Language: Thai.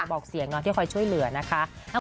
บอกเสียงเนาะที่คอยช่วยเหลือนะคะ